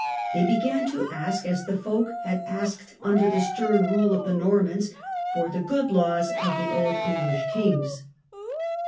They began to ask, as the folk had asked under the stem rule of the Normans, for the good laws of the old English kings.